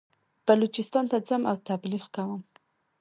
بلوچستان ته ځم او تبلیغ کوم.